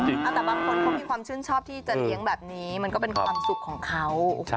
แต่บางคนเขามีความชื่นชอบที่จะเลี้ยงแบบนี้มันก็เป็นความสุขของเขา